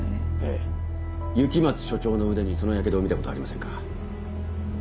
ええ雪松署長の腕にその火傷を見たことはありませんか？